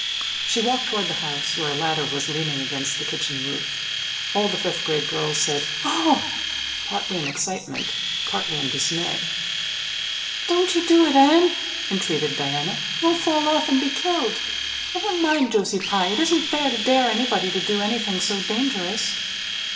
She walked toward the house, where a ladder was leaning against the kitchen roof. All the fifth class girls said, "Oh!" partly in excitement, partly in dismay. "Don't you do it, Anne," entreated Diana. "You'll fall off and be killed. Never mind Josie Pye. It isn't fair to dare anybody to do anything so dangerous."